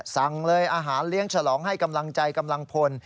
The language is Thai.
สั่งเลยอาหารเลี้ยงฉลองให้กำลังใจกำลังพล